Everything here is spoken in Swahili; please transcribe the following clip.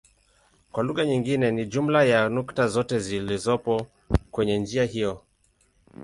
Kwa lugha nyingine ni jumla ya nukta zote zilizopo kwenye njia hiyo.